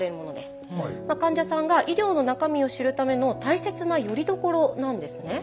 患者さんが医療の中身を知るための大切なよりどころなんですね。